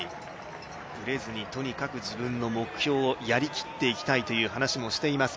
ぶれずにとにかく自分の目標をやりきっていきたいという話をしています